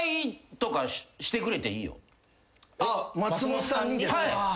松本さんにですか。